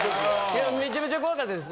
いやめちゃめちゃ怖かったです。